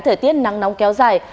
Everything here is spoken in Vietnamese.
thời tiết nắng nóng kéo dài